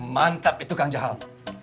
mantap itu kang jahal